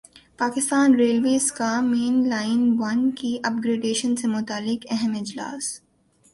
Pakistan railways کا main line one کی upgradation سے متعلق اہم اجلاس